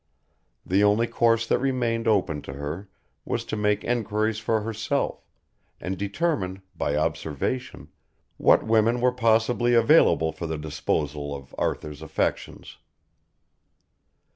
The only course that remained open to her was to make enquiries for herself, and determine, by observation, what women were possibly available for the disposal of Arthur's affections.